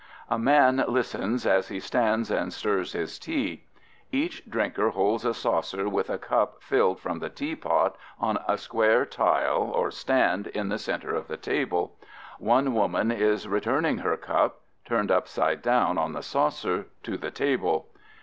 A man listens as he stands and stirs his tea. Each drinker holds a saucer with a cup filled from the teapot on a square tile or stand in the center of the table. One woman is returning her cup, turned upside down on the saucer, to the table.